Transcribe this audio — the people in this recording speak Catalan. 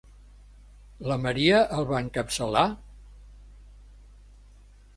La Maria el va encapçalar?